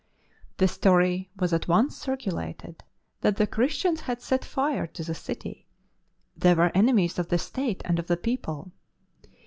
The story was at once circulated that the Christians had set fire to the city; they were enemies of the State and of the people.